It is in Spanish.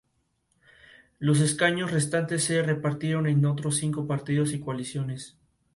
Se halla en la cuenca del río Paraguay: Bolivia, Brasil, Paraguay, Argentina.